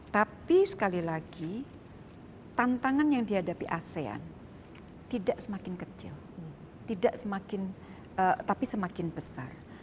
tapi sekali lagi tantangan yang dihadapi asean tidak semakin kecil tidak semakin tapi semakin besar